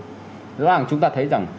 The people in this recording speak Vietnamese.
do rằng chúng ta thấy rằng